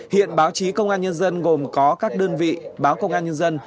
hiện báo chí công an nhân dân gồm có các đơn vị báo công an nhân dân